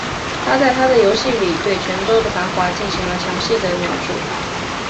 他在他的游记里对泉州的繁华进行了详细的描述。